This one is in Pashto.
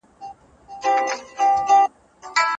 د رسا صاحب د شعر مفهوم څه دی؟